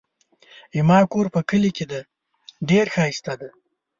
زما کور په کلي کې دی ډېر ښايسته دی